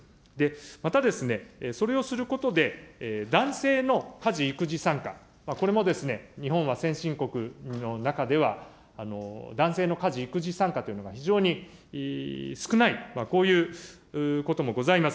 また、それをすることで、男性の家事・育児参加、これも日本は先進国の中では男性の家事・育児参加というのが非常に少ない、こういうこともございます。